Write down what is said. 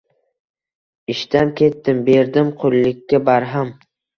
Ishdan ketdim. Berdim qullikka barham